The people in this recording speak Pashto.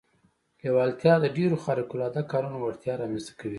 لېوالتیا د ډېرو خارق العاده کارونو وړتیا رامنځته کوي